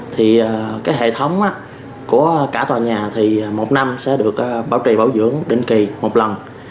thì hệ thống của tòa nhà thì một năm sẽ được bảo trì bảo dưỡng đỉnh kỳ một lần